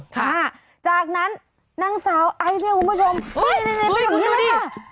ค่ะจากนั้นนางสาวไอ้เจ้าคุณผู้ชมเฮ้ยดูสิ